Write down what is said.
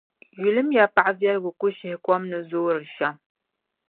Yulimiya paɣiviɛligakushihikom ni zoori shɛm.